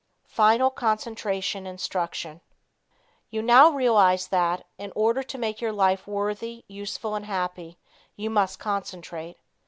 Final Concentration Instruction. You now realize that, in order to make your life worthy, useful and happy, you must concentrate.